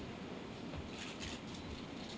แต่ขวัญไม่สามารถสวมเขาให้แม่ขวัญได้